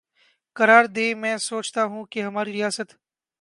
قرار دے میںسوچتاہوں کہ ہماری ریاست